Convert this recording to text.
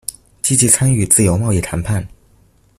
積極參與自由貿易談判